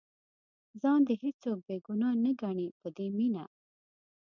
ځان دې هېڅوک بې ګناه نه ګڼي په دې مینه.